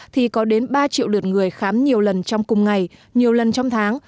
thì có đến ba triệu lượt người khám nhiều lần trong cùng ngày nhiều lần trong tháng